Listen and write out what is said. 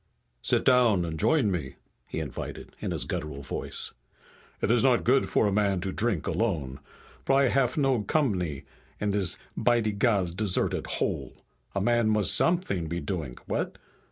"Sit down and join me," he invited, in his guttural voice. "It is not good for a man to drink alone. But I haf no combany in dis by de gods deserted hole. A man must somet'ing be doing, what?"